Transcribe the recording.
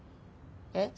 えっ？